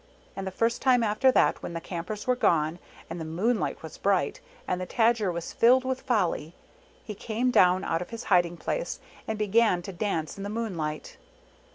And the first time after that when the Campers were gone, and the moonlight was bright, and the Tajer was filled with folly, he came down out of his hiding place, and began to dance in the moonlight.